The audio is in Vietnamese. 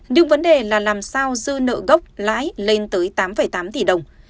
nhưng vấn đề là làm sao dư nợ gốc lãi lên tới tám tám tỷ đồng